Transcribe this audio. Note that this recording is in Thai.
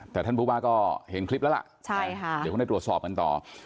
แต่ท่านผู้ว่าก็เห็นคลิปแล้วล่ะใช่ค่ะเดี๋ยวคงได้ตรวจสอบกันต่อ